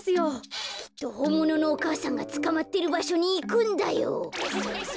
きっとほんもののお母さんがつかまってるばしょにいくんだよ。